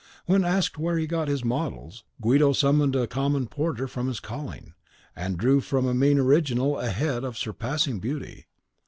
When asked where he got his models, Guido summoned a common porter from his calling, and drew from a mean original a head of surpassing beauty.